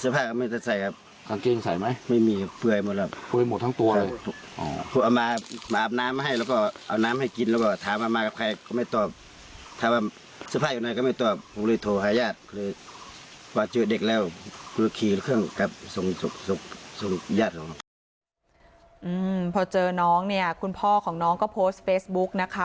พอเจอน้องเนี่ยคุณพ่อของน้องก็โพสต์เฟซบุ๊กนะคะ